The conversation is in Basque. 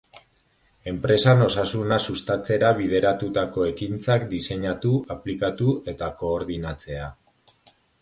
Enpresan osasuna sustatzera bideratutako ekintzak diseinatu, aplikatu eta koordinatzea.